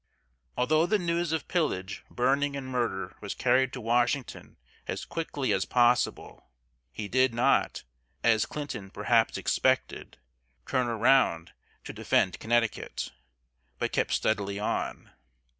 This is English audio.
Although the news of pillage, burning, and murder was carried to Washington as quickly as possible, he did not as Clinton perhaps expected turn around to defend Connecticut, but kept steadily on.